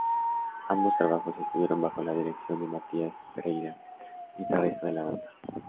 Ambos trabajos estuvieron bajo la dirección de Matias Pereira, guitarrista de la banda.